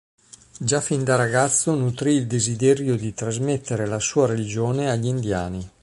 Già fin da ragazzo nutrì il desiderio di trasmettere la sua religione agli indiani.